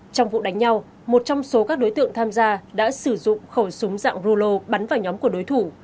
trong vụ đánh nhau một trong số các đối tượng tham gia đã sử dụng khẩu súng dạng rulo bắn vào nhóm của đối thủ